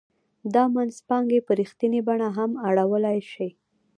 دا منځپانګې په رښتینې بڼه هم اړولای شي